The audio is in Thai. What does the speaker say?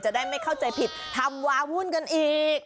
ได้ไม่เข้าใจผิดทำวาวุ่นกันอีก